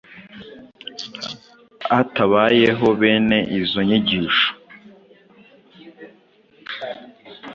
Hatabayeho bene izo nyigisho,